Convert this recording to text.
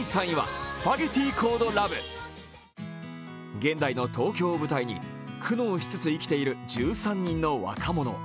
現代の東京を舞台に苦悩しつつ生きている１３人の若者。